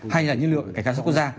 hay là nhân lượng cảnh sát quốc gia